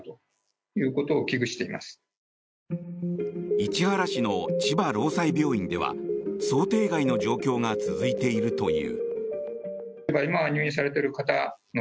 市原市の千葉ろうさい病院では想定外の状況が続いているという。